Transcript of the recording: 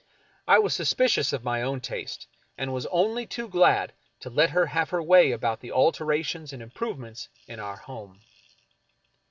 I was suspicious of my own taste, and was only too glad to let her have her way about the alterations and improve ments in our home.